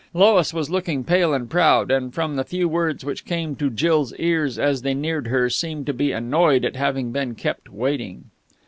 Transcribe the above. Lois was looking pale and proud, and, from the few words which came to Jill's ears as they neared her, seemed to be annoyed at having been kept waiting.